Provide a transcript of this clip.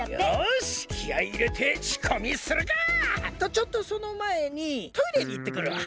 よしきあいいれてしこみするか！とちょっとそのまえにトイレにいってくるわ。